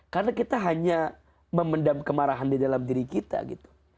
karena kita hanya memendam kemarahan di dalam diri kita gitu